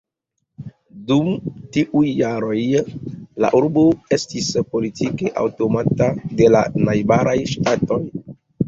Dum tiuj jaroj la urbo estis politike aŭtonoma de la najbaraj ŝtatoj.